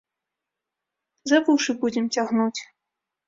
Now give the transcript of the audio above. За вушы будзем цягнуць!